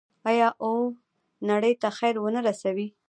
آیا او نړۍ ته خیر ورنه رسوي؟